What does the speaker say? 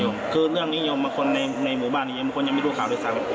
มีความนิยมมาค้นในหมู่บ้านบางคนยังไม่ดูคราวด้วยซั้ม